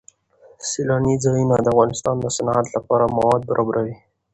سیلانی ځایونه د افغانستان د صنعت لپاره مواد برابروي.